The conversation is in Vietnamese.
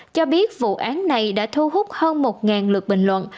cho biết vụ án này đã thu hút hơn một lượt bình luận